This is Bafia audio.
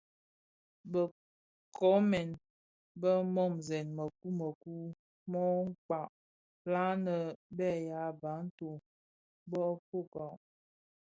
Bë nkoomèn bèn Monzèn mëkuu mekuu mō kpakpag la nnë be ya bantu (Bafia) bö fuugha,